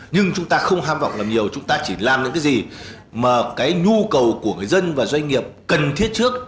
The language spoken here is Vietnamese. nhưng chúng ta không ham vọng làm nhiều chúng ta chỉ làm những cái gì mà cái nhu cầu của người dân và doanh nghiệp cần thiết trước